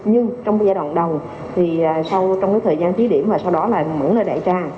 nhưng trong giai đoạn đầu trong thời gian trí điểm và sau đó là mở nơi đại trang